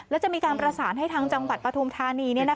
แล้วจะมีการประสานให้ทางจังหวัดปฐุมธานี